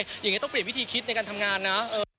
อย่างนี้ต้องเปลี่ยนวิธีคิดในการทำงานนะ